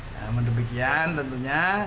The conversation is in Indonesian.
nah menurut demikian tentunya